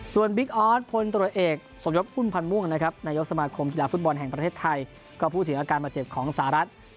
ส่วนบิ๊กออสพลตรวจเอกสมยศพุ่มพันธ์ม่วงนะครับนายกสมาคมกีฬาฟุตบอลแห่งประเทศไทยก็พูดถึงอาการบาดเจ็บของสหรัฐ